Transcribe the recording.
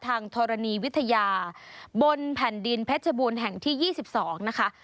ธรณีวิทยาบนแผ่นดินเพชรบูรณ์แห่งที่๒๒นะคะ